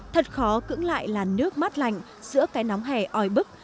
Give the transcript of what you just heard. thật khó cưỡng lại là nước mát lạnh giữa cái nóng hè oi bức